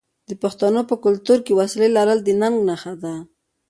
د پښتنو په کلتور کې د وسلې لرل د ننګ نښه ده.